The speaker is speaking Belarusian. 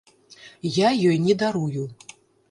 Я ёй не дарую!